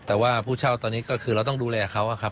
แต่ว่าผู้เช่าตอนนี้ก็คือเราต้องดูแลเขาครับ